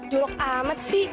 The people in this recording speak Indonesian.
juruk amat si